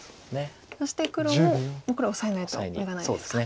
そして黒もこれはオサえないと眼がないですか。